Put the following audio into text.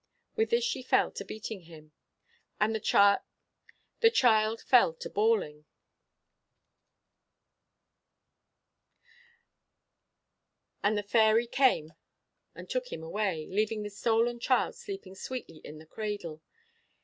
With this she fell to beating him, the child fell to bawling, and the fairy came and took him away, leaving the stolen child sleeping sweetly in the cradle.